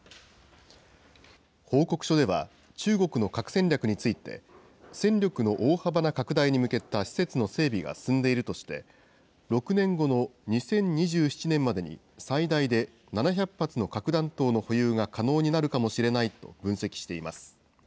報告書では、中国の核戦略について、戦力の大幅な拡大に向けた施設の整備が進んでいるとして、６年後の２０２７年までに、最大で７００発の核弾頭の保有が可能になるかもしれないと分析しています。